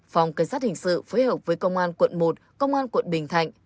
phòng cảnh sát hình sự phối hợp với công an quận một công an quận bình thạnh